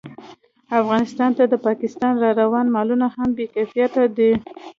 افغانستان ته د پاکستان راروان مالونه هم بې کیفیته دي